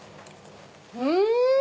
うん！